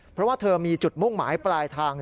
เพราะว่าเธอมีจุดมุ่งหมายปลายทาง